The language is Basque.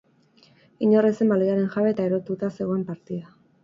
Inor ez zen baloiaren jabe eta erotuta zegoen partida.